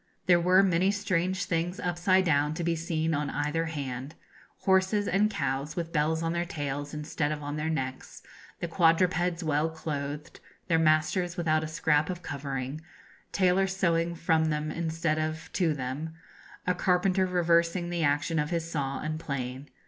There were many strange things upside down to be seen on efther hand horses and cows with bells on their tails instead of on their necks, the quadrupeds well clothed, their masters without a scrap of covering, tailors sewing from them instead of to them, a carpenter reversing the action of his saw and plane.